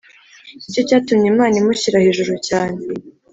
Ni cyo cyatumye Imana imushyira hejuru cyane